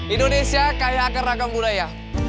indonesia kaya akan ragam budaya